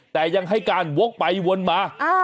แต่ยังให้การวกไปวนมา